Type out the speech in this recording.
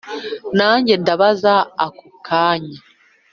nanjye ndaza ako kanya.